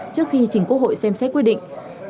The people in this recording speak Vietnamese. trước khi chính quốc hội xem xét quy định